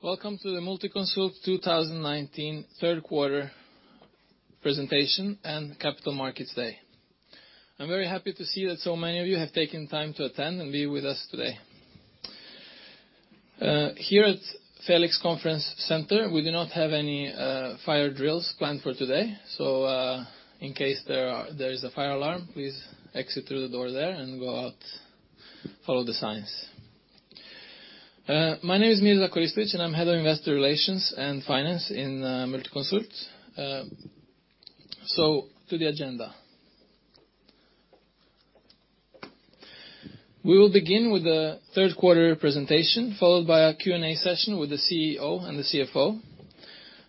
Welcome to the Multiconsult 2019 third quarter presentation and Capital Markets Day. I'm very happy to see that so many of you have taken time to attend and be with us today. Here at Felix Conference Center, we do not have any fire drills planned for today. In case there is a fire alarm, please exit through the door there and go out, follow the signs. My name is Mirza Koristovic, and I'm head of investor relations and finance in Multiconsult. To the agenda. We will begin with the third quarter presentation, followed by a Q&A session with the CEO and the CFO.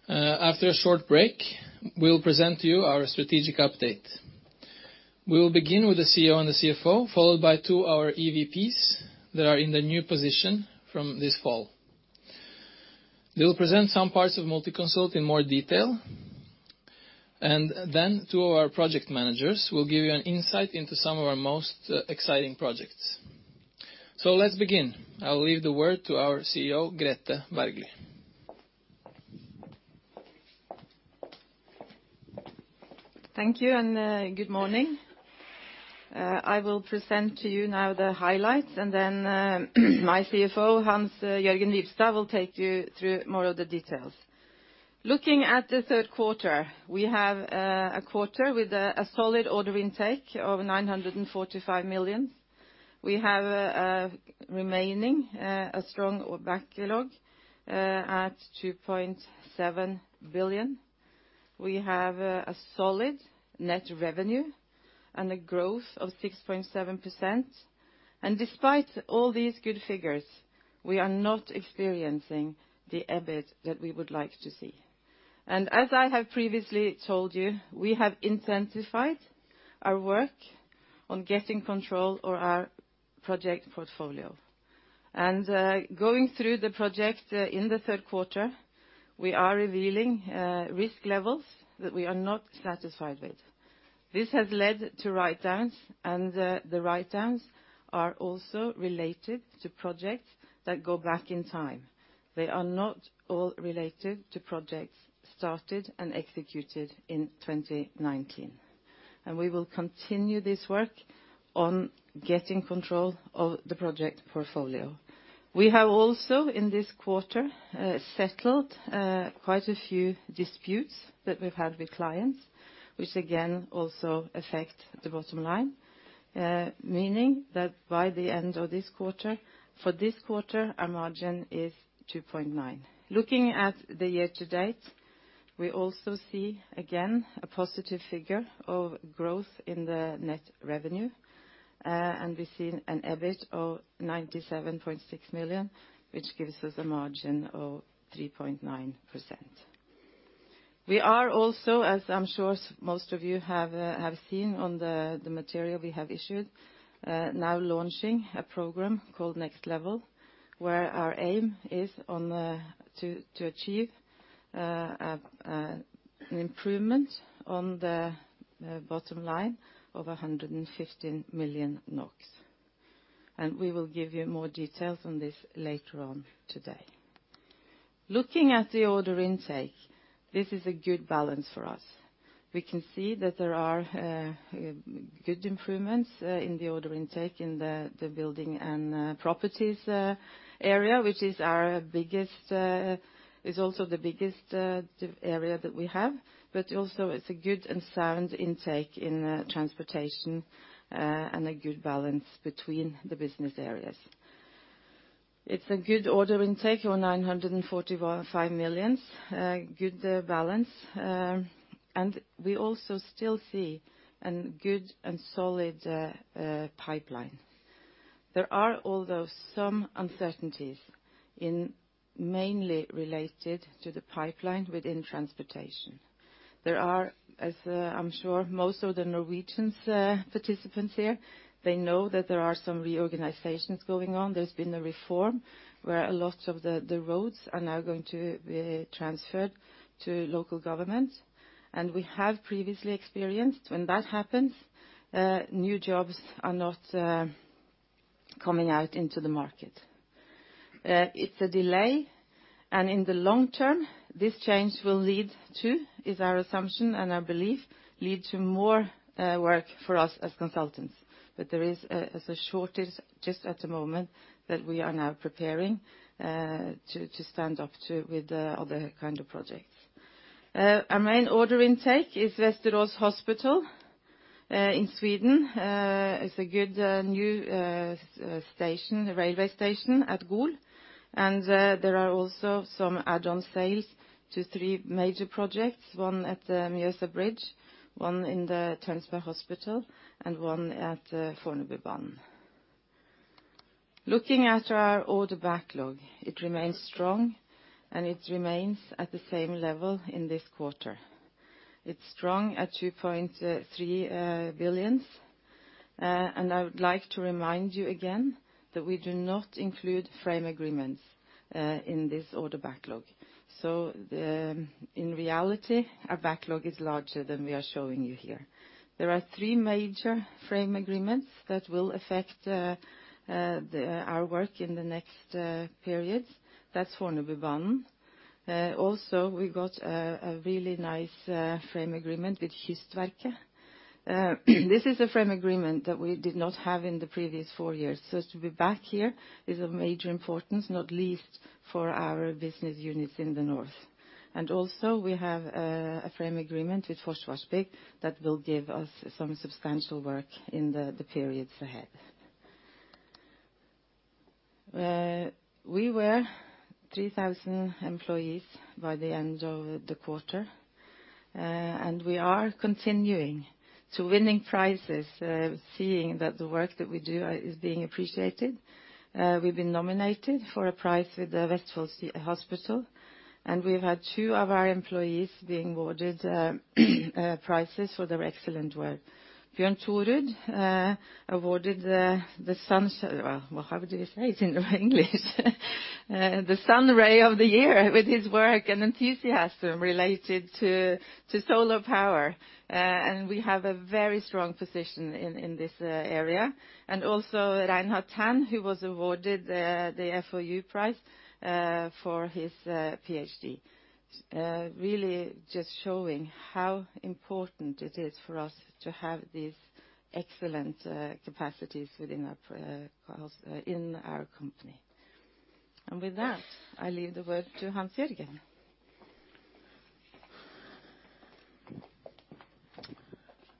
After a short break, we will present to you our strategic update. We will begin with the CEO and the CFO, followed by two of our EVPs that are in their new position from this fall. They will present some parts of Multiconsult in more detail, and then two of our project managers will give you an insight into some of our most exciting projects. Let's begin. I will leave the word to our CEO, Grethe Bergly. Thank you. Good morning. I will present to you now the highlights. Then my CFO, Hans-Jørgen Wibstad, will take you through more of the details. Looking at the third quarter, we have a quarter with a solid order intake of 945 million. We have remaining a strong backlog at 2.7 billion. We have a solid net revenue and a growth of 6.7%. Despite all these good figures, we are not experiencing the EBIT that we would like to see. As I have previously told you, we have intensified our work on getting control of our project portfolio. Going through the project in the third quarter, we are revealing risk levels that we are not satisfied with. This has led to write-downs. The write-downs are also related to projects that go back in time. They are not all related to projects started and executed in 2019. We will continue this work on getting control of the project portfolio. We have also, in this quarter, settled quite a few disputes that we've had with clients, which again, also affect the bottom line. Meaning that by the end of this quarter, for this quarter, our margin is 2.9%. Looking at the year to date, we also see, again, a positive figure of growth in the net revenue. We see an EBIT of 97.6 million, which gives us a margin of 3.9%. We are also, as I'm sure most of you have seen on the material we have issued, now launching a program called nextLEVEL, where our aim is to achieve an improvement on the bottom line of 115 million NOK. We will give you more details on this later on today. Looking at the order intake, this is a good balance for us. We can see that there are good improvements in the order intake in the building and properties area. Which is also the biggest area that we have, but also it's a good and sound intake in transportation, and a good balance between the business areas. It's a good order intake of 945 million, good balance. We also still see a good and solid pipeline. There are, although, some uncertainties mainly related to the pipeline within transportation. There are, as I'm sure most of the Norwegian participants here, they know that there are some reorganizations going on. There's been a reform where a lot of the roads are now going to be transferred to local government. We have previously experienced when that happens, new jobs are not coming out into the market. It's a delay. In the long term, this change will lead to, is our assumption and our belief, lead to more work for us as consultants. There is a shortage just at the moment that we are now preparing to stand up to with other kind of projects. Our main order intake is Västerås Hospital in Sweden. It's a good new railway station at Gol. There are also some add-on sales to three major projects, one at the Mjøsa Bridge, one in the Tønsberg Hospital, and one at Fornebubanen. Looking at our order backlog, it remains strong, and it remains at the same level in this quarter. It's strong at 2.3 billion. I would like to remind you again that we do not include frame agreements in this order backlog. In reality, our backlog is larger than we are showing you here. There are three major frame agreements that will affect our work in the next periods. That's Fornebubanen. Also, we got a really nice frame agreement with Kystverket. This is a frame agreement that we did not have in the previous four years. To be back here is of major importance, not least for our business units in the north. We have a frame agreement with Forsvarsbygg that will give us some substantial work in the periods ahead. We were 3,000 employees by the end of the quarter, and we are continuing to winning prizes, seeing that the work that we do is being appreciated. We've been nominated for a prize with the Vestfold Hospital, and we've had two of our employees being awarded prizes for their excellent work. Bjørn Thorud awarded Well, how would you say it in English? The Sun Ray of the Year with his work and enthusiasm related to solar power. We have a very strong position in this area. Also Reinhard Tann, who was awarded the FoU prize, for his PhD. Really just showing how important it is for us to have these excellent capacities within our company. With that, I leave the word to Hans-Jørgen.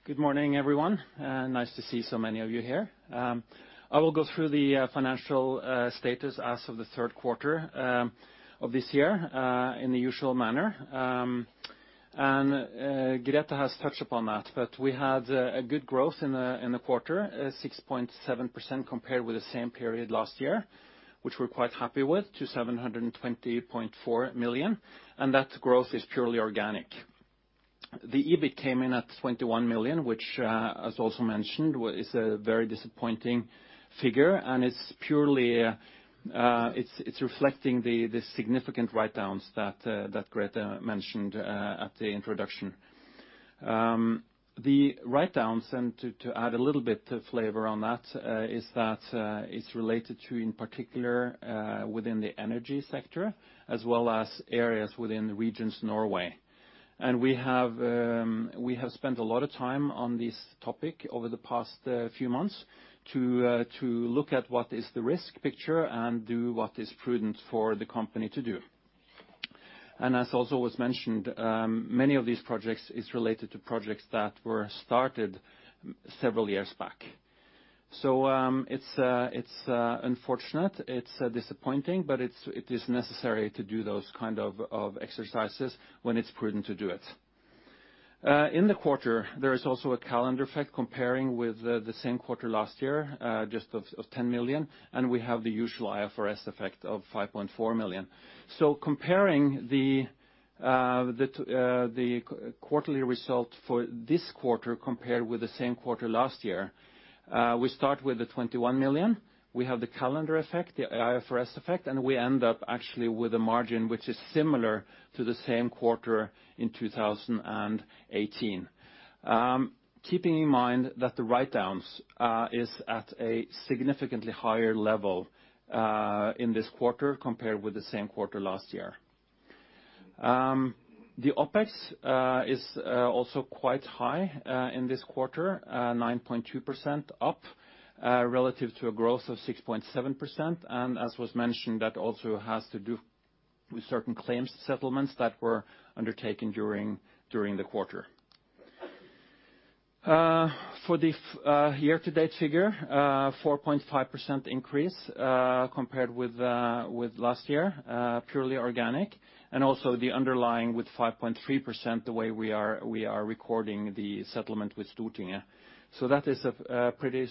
Good morning, everyone. Nice to see so many of you here. I will go through the financial status as of the third quarter of this year, in the usual manner. Grethe has touched upon that, but we had a good growth in the quarter, 6.7% compared with the same period last year, which we're quite happy with, to 720.4 million. That growth is purely organic. The EBIT came in at 21 million, which, as also mentioned, is a very disappointing figure, it's reflecting the significant write-downs that Grethe mentioned at the introduction. To add a little bit of flavor on that, it's related to, in particular within the energy sector, as well as areas within the regions Norway. We have spent a lot of time on this topic over the past few months to look at what is the risk picture and do what is prudent for the company to do. As also was mentioned, many of these projects is related to projects that were started several years back. It's unfortunate, it's disappointing, but it is necessary to do those kind of exercises when it's prudent to do it. In the quarter, there is also a calendar effect comparing with the same quarter last year, just of 10 million, and we have the usual IFRS effect of 5.4 million. Comparing the quarterly result for this quarter compared with the same quarter last year, we start with the 21 million. We have the calendar effect, the IFRS effect, and we end up actually with a margin which is similar to the same quarter in 2018. Keeping in mind that the write-downs is at a significantly higher level, in this quarter compared with the same quarter last year. The OpEx is also quite high in this quarter, 9.2% up, relative to a growth of 6.7%. As was mentioned, that also has to do with certain claims settlements that were undertaken during the quarter. For the year-to-date figure, 4.5% increase compared with last year, purely organic. Also the underlying with 5.3%, the way we are recording the settlement with Stortinget. That is a pretty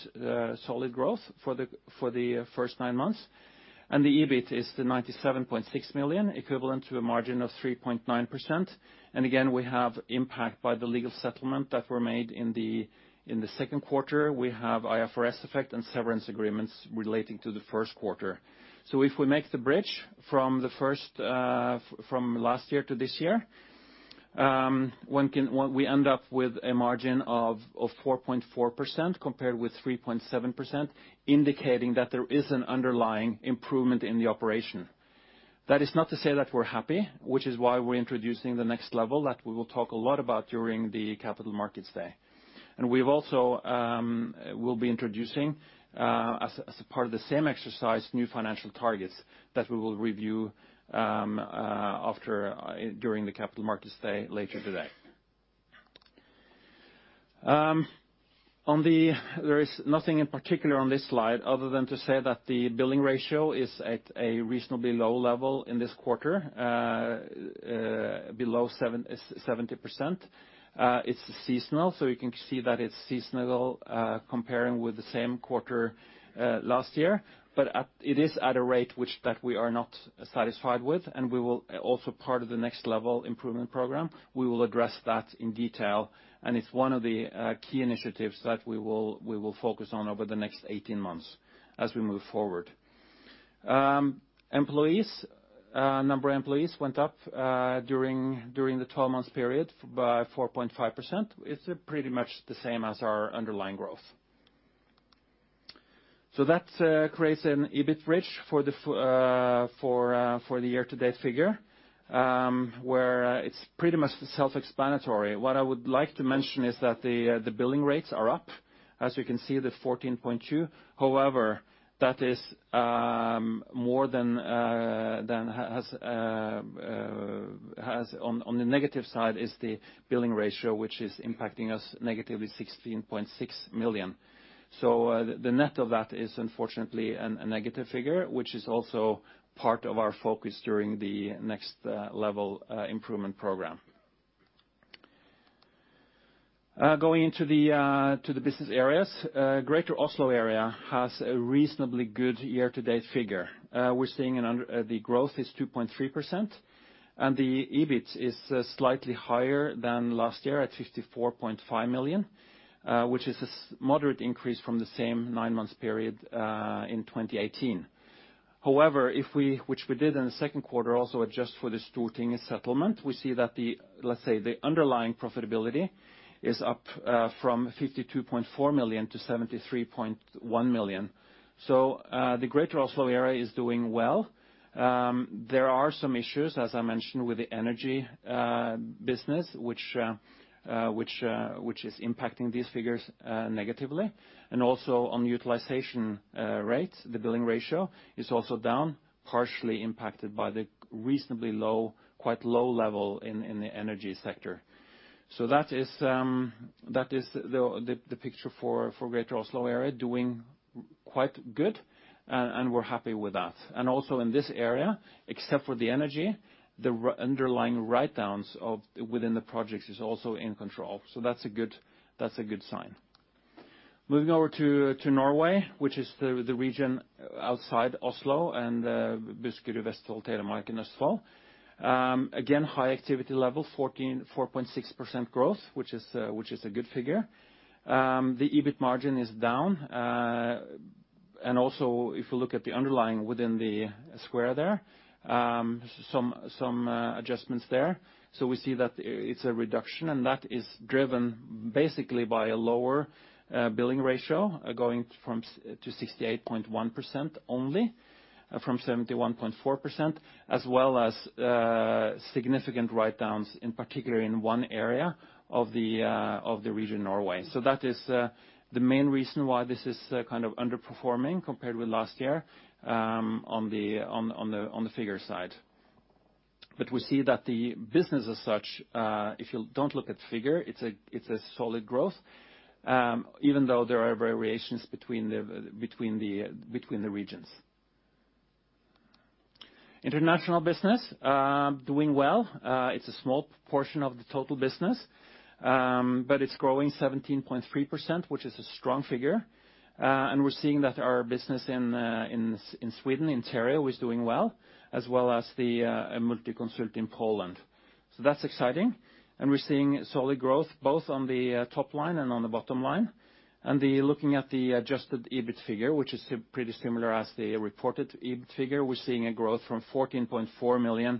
solid growth for the first nine months. The EBIT is the 97.6 million, equivalent to a margin of 3.9%. Again, we have impact by the legal settlement that were made in the second quarter. We have IFRS effect and severance agreements relating to the first quarter. If we make the bridge from last year to this year, we end up with a margin of 4.4% compared with 3.7%, indicating that there is an underlying improvement in the operation. That is not to say that we're happy, which is why we're introducing the nextLEVEL that we will talk a lot about during the Capital Markets Day. We'll be introducing, as a part of the same exercise, new financial targets that we will review during the Capital Markets Day later today. There is nothing in particular on this slide other than to say that the billing ratio is at a reasonably low level in this quarter, below 70%. It's seasonal, so you can see that it's seasonal comparing with the same quarter last year. It is at a rate that we are not satisfied with, and we will also part of the nextLEVEL improvement program. We will address that in detail, and it's one of the key initiatives that we will focus on over the next 18 months as we move forward. Employees. Number of employees went up during the 12 months period by 4.5%. It's pretty much the same as our underlying growth. That creates an EBIT bridge for the year-to-date figure, where it's pretty much self-explanatory. What I would like to mention is that the billing rates are up, as you can see, the 14.2. That is more than has on the negative side is the billing ratio, which is impacting us negatively 16.6 million. The net of that is unfortunately a negative figure, which is also part of our focus during the nextLEVEL improvement program. Going into the business areas. Greater Oslo Area has a reasonably good year-to-date figure. We're seeing the growth is 2.3% and the EBIT is slightly higher than last year at 54.5 million, which is a moderate increase from the same nine-month period in 2018. If we, which we did in the second quarter, also adjust for the Stortinget settlement, we see that the, let's say, the underlying profitability is up from 52.4 million to 73.1 million. The Greater Oslo Area is doing well. There are some issues, as I mentioned, with the energy business, which is impacting these figures negatively, and also on utilization rates. The billing ratio is also down, partially impacted by the reasonably quite low level in the energy sector. That is the picture for Greater Oslo Area doing quite good, and we're happy with that. Also in this area, except for the energy, the underlying write-downs within the projects is also in control. That's a good sign. Moving over to Norway, which is the region outside Oslo and Buskerud, Vestfold, Telemark and Østfold. Again, high activity level, 14.6% growth, which is a good figure. The EBIT margin is down. Also if you look at the underlying within the square there, some adjustments there. We see that it's a reduction and that is driven basically by a lower billing ratio going to 68.1% only from 71.4%, as well as significant write-downs in particular in one area of the Region Norway. That is the main reason why this is kind of underperforming compared with last year on the figure side. We see that the business as such, if you don't look at figure, it's a solid growth, even though there are variations between the regions. International business is doing well. It's a small portion of the total business, but it's growing 17.3%, which is a strong figure. We're seeing that our business in Sweden, Iterio, is doing well, as well as the Multiconsult in Poland. That's exciting, and we're seeing solid growth both on the top line and on the bottom line. Looking at the adjusted EBIT figure, which is pretty similar as the reported EBIT figure. We're seeing a growth to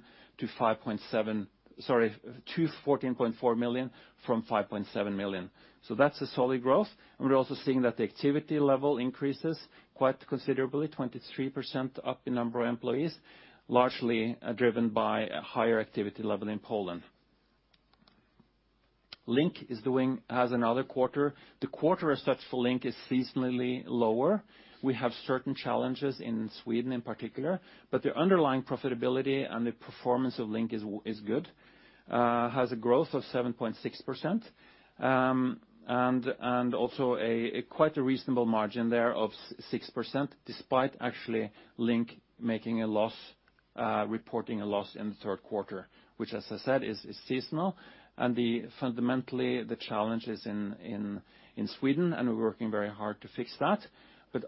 14.4 million from 5.7 million. That's a solid growth. We're also seeing that the activity level increases quite considerably, 23% up in number of employees, largely driven by a higher activity level in Poland. LINK has another quarter. The quarter as such for LINK is seasonally lower. We have certain challenges in Sweden in particular, but the underlying profitability and the performance of LINK is good. Has a growth of 7.6%, and also quite a reasonable margin there of 6%, despite actually LINK making a loss, reporting a loss in the third quarter. Which as I said, is seasonal and fundamentally the challenge is in Sweden, and we're working very hard to fix that.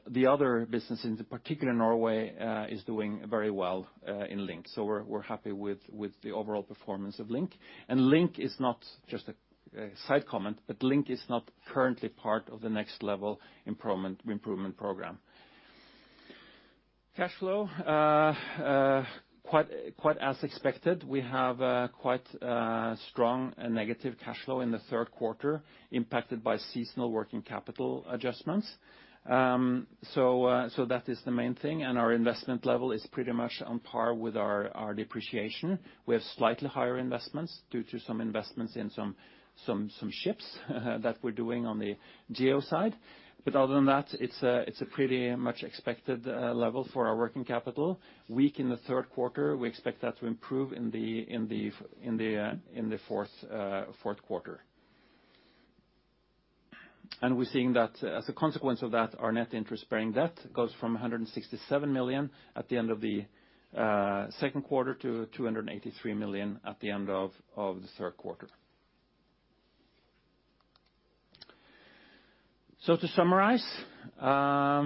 The other business in particular Norway, is doing very well in LINK. We're happy with the overall performance of LINK. LINK is not just a side comment, but LINK is not currently part of the nextLEVEL improvement program. Cash flow, quite as expected. We have quite a strong negative cash flow in the third quarter, impacted by seasonal working capital adjustments. That is the main thing, and our investment level is pretty much on par with our depreciation. We have slightly higher investments due to some investments in some ships that we're doing on the geo side. Other than that, it's a pretty much expected level for our working capital, weak in the third quarter. We expect that to improve in the fourth quarter. We're seeing that as a consequence of that, our net interest-bearing debt goes from 167 million at the end of the second quarter to 283 million at the end of the third quarter. To summarize, a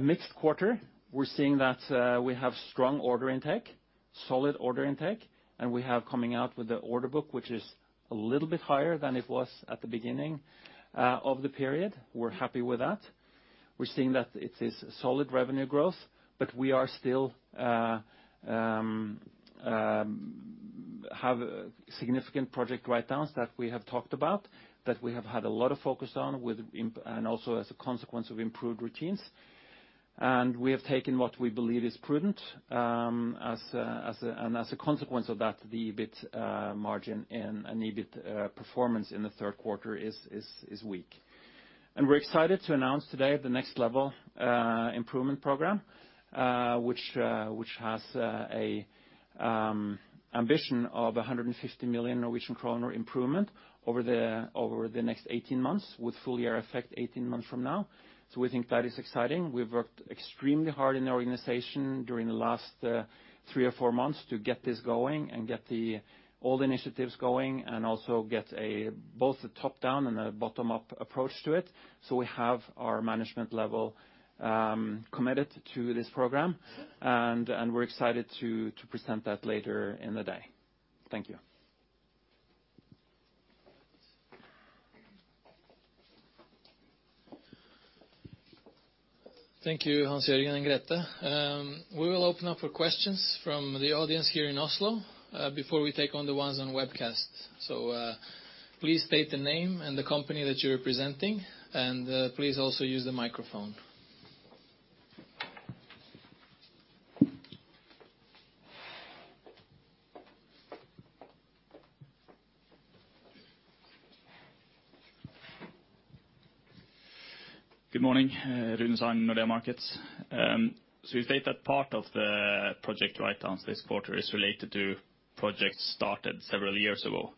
mixed quarter. We're seeing that we have strong order intake, solid order intake, and we have coming out with the order book, which is a little bit higher than it was at the beginning of the period. We're happy with that. We're seeing that it is solid revenue growth, but we still have significant project write-downs that we have talked about, that we have had a lot of focus on, and also as a consequence of improved routines. We have taken what we believe is prudent. As a consequence of that, the EBIT margin and EBIT performance in the third quarter is weak. We're excited to announce today the nextLEVEL Improvement program, which has a ambition of 150 million Norwegian kroner improvement over the next 18 months, with full year effect 18 months from now. We think that is exciting. We've worked extremely hard in the organization during the last three or four months to get this going and get all the initiatives going and also get both the top-down and a bottom-up approach to it. We have our management level committed to this program, and we're excited to present that later in the day. Thank you. Thank you, Hans-Jørgen and Grethe. We will open up for questions from the audience here in Oslo before we take on the ones on webcast. Please state the name and the company that you're representing, and please also use the microphone. Good morning. Rune Sand, Nordea Markets. You state that part of the project write-downs this quarter is related to projects started several years ago.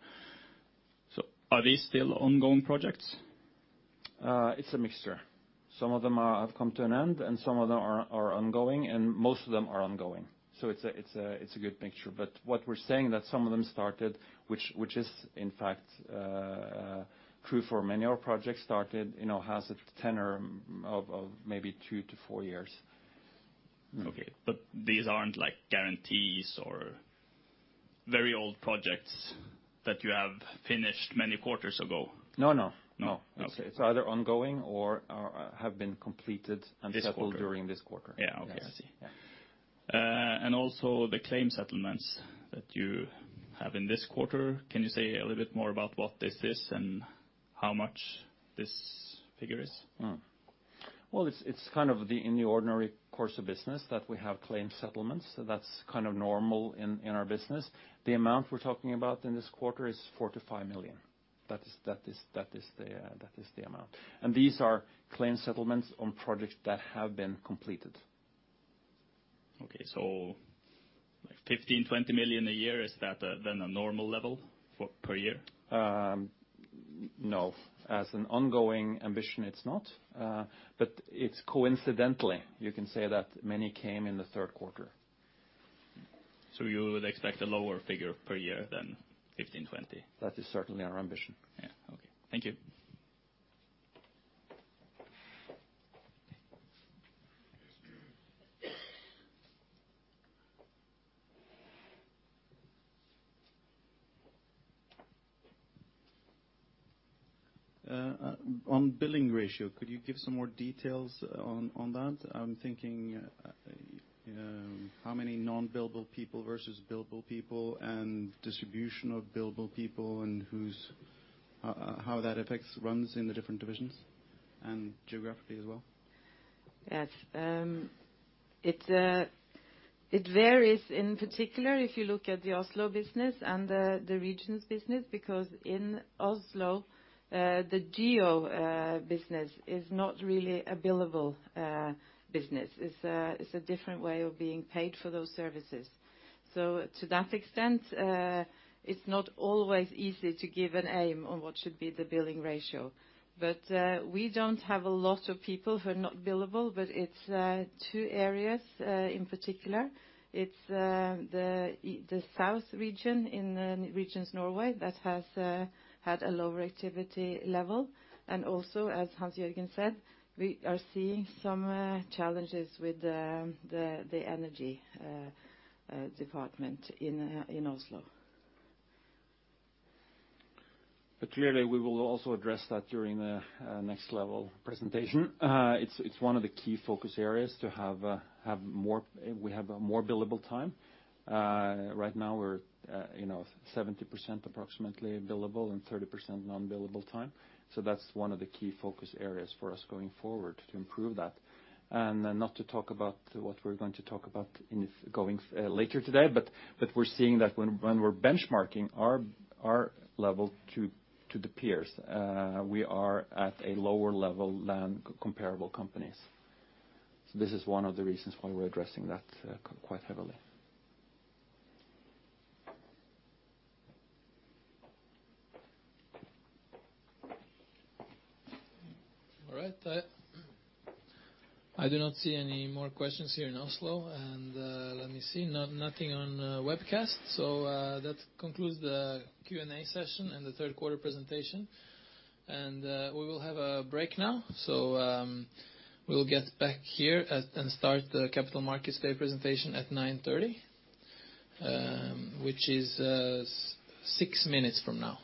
Are they still ongoing projects? It's a mixture. Some of them have come to an end, and some of them are ongoing, and most of them are ongoing. It's a good mixture. What we're saying that some of them started, which is in fact true for many of our projects started, has a tenure of maybe 2-4 years. These aren't guarantees or very old projects that you have finished many quarters ago? No, no. No. Okay. It's either ongoing or have been completed. This quarter Settled during this quarter. Yeah. Okay. Yes. I see. Yeah. Also the claim settlements that you have in this quarter. Can you say a little bit more about what this is and how much this figure is? Well, it's kind of in the ordinary course of business that we have claim settlements. That's kind of normal in our business. The amount we're talking about in this quarter is 4 million-5 million. That is the amount. These are claim settlements on projects that have been completed. Okay. like 15, 20 million a year, is that then a normal level per year? No. As an ongoing ambition, it's not. It's coincidentally, you can say that many came in the third quarter. You would expect a lower figure per year than 15, 20? That is certainly our ambition. Yeah. Okay. Thank you. On billing ratio, could you give some more details on that? I'm thinking how many non-billable people versus billable people and distribution of billable people and how that affects runs in the different divisions and geographically as well. Yes. It varies, in particular if you look at the Oslo business and the regions business, because in Oslo the geo business is not really a billable business. It's a different way of being paid for those services. To that extent, it's not always easy to give an aim on what should be the billing ratio. We don't have a lot of people who are not billable, but it's two areas in particular. It's the south region in the regions Norway that has had a lower activity level. Also, as Hans-Jørgen said, we are seeing some challenges with the energy department in Oslo. Clearly, we will also address that during the nextLEVEL presentation. It's one of the key focus areas to have more billable time. Right now we're 70% approximately billable and 30% non-billable time. That's one of the key focus areas for us going forward to improve that. Not to talk about what we're going to talk about later today, but we're seeing that when we're benchmarking our level to the peers, we are at a lower level than comparable companies. This is one of the reasons why we're addressing that quite heavily. All right. I do not see any more questions here in Oslo. Let me see. Nothing on webcast. That concludes the Q&A session and the third quarter presentation. We will have a break now. We'll get back here and start the Capital Markets Day presentation at 9:30, which is six minutes from now.